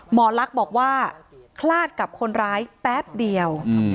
หมอลักษณ์บอกว่าคลาดกับคนร้ายแป๊บเดียว